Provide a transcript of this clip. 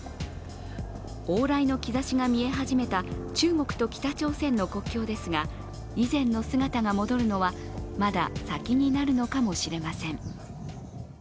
往来の兆しが見え始めた中国と北朝鮮の国境ですが、以前の姿が戻るのはまだ先になるのかもしれません。